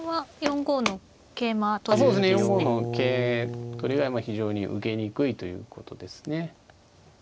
４五の桂取りは非常に受けにくいということですね。